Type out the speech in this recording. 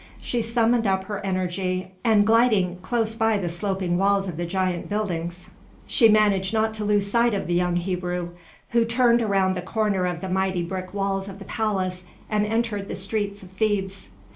She summoned up her energy, and gliding close by the sloping walls of the giant buildings, she managed not to lose sight of the young Hebrew, who turned around the corner of the mighty brick walls of the palace and entered the streets of Thebes.